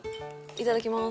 いただきます。